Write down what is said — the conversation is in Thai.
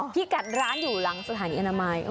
พี่กัดร้านอยู่หลังสถานีอนามัย